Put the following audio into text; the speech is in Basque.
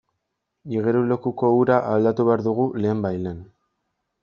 Igerilekuko ura aldatu behar dugu lehenbailehen.